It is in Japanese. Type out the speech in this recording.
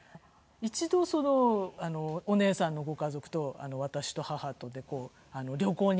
一度お姉さんのご家族と私と母とで旅行に行ったりとか。